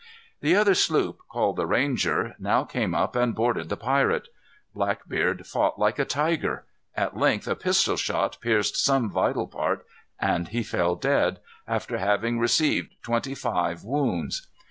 The other sloop, called the Ranger, now came up and boarded the pirate. Blackbeard fought like a tiger. At length a pistol shot pierced some vital part and he fell dead, after having received twenty five wounds.